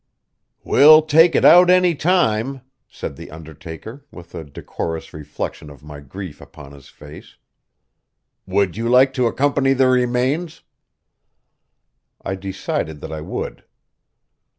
"We'll take it out any time," said the undertaker, with a decorous reflection of my grief upon his face. "Would you like to accompany the remains?" I decided that I would.